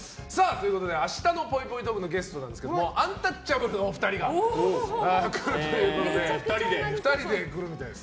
明日のぽいぽいトークのゲストはアンタッチャブルのお二人が来るということで２人で来るみたいです。